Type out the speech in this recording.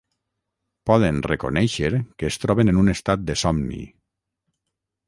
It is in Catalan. poden reconèixer que es troben en un estat de somni